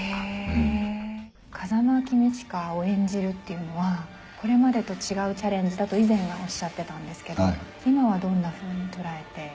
風間公親を演じるっていうのはこれまでと違うチャレンジだと以前はおっしゃってたんですけど今はどんなふうに捉えて。